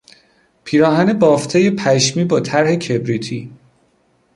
پیراهن بافتهی پشمی با طرح کبریتی